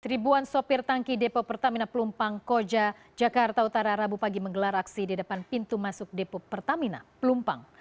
ribuan sopir tangki depo pertamina pelumpang koja jakarta utara rabu pagi menggelar aksi di depan pintu masuk depo pertamina pelumpang